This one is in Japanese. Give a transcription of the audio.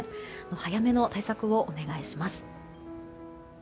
早めの対策をお願いします。